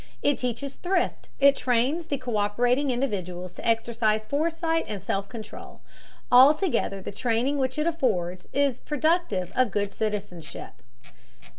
It teaches thrift. It trains the co÷perating individuals to exercise foresight and self control. Altogether the training which it affords is productive of good citizenship.